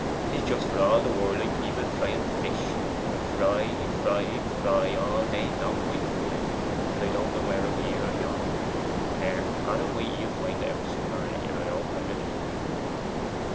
'Tis just for all the world like people frying fish: fry, fry, fry, all day long in my poor head, till I don't know whe'r I'm here or yonder. There, God A'mighty will find it out sooner or later, I hope, and relieve me.